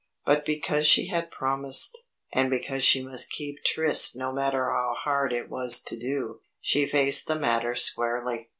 But because she had promised, and because she must keep tryst no matter how hard it was to do, she faced the matter squarely.